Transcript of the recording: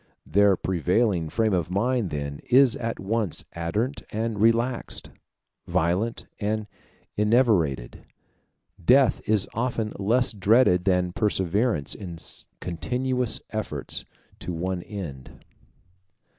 Their prevailing frame of mind then is at once ardent and relaxed, violent and enervated. Death is often less dreaded than perseverance in continuous efforts to one end.